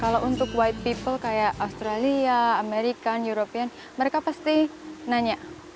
kalau untuk orang putih seperti australia amerika eropa mereka pasti nanya